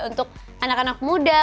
untuk anak anak muda